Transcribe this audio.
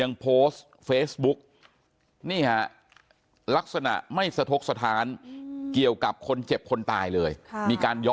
อายุ๑๐ปีนะฮะเขาบอกว่าเขาก็เห็นถูกยิงนะครับ